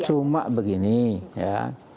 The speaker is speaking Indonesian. cuma begini ya